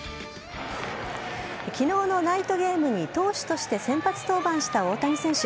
昨日のナイトゲームに投手として先発登板した大谷選手。